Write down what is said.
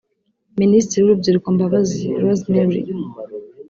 Minisitiri w’Urubyiruko Mbabazi Rosemary